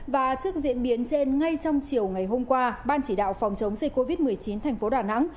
và trước diễn biến trên ngay trong chiều ngày hôm qua ban chỉ đạo phòng chống dịch covid một mươi chín thành phố đà nẵng